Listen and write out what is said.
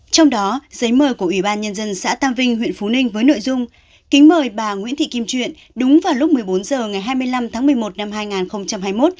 trong đó giấy mời của ủy ban nhân dân xã tam vinh huyện phú ninh với nội dung kính mời bà nguyễn thị kim truyện đúng vào lúc một mươi bốn h ngày hai mươi năm tháng một mươi một năm hai nghìn hai mươi một